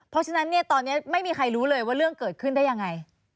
เพราะฉะนั้นเนี่ยตอนนี้ไม่มีใครรู้เลยว่าเรื่องเกิดขึ้นได้ยังไง